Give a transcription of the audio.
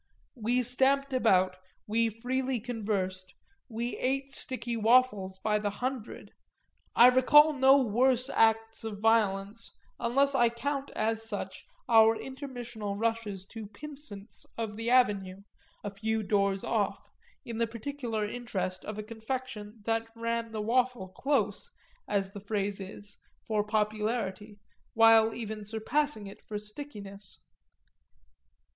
We stamped about, we freely conversed, we ate sticky waffles by the hundred I recall no worse acts of violence unless I count as such our intermissional rushes to Pynsent's of the Avenue, a few doors off, in the particular interest of a confection that ran the waffle close, as the phrase is, for popularity, while even surpassing it for stickiness.